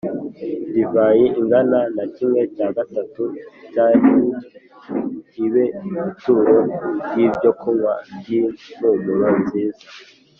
Divayi ingana na kimwe cya gatatu cya hini ibe ituro ry ibyokunywa ry impumuro nziza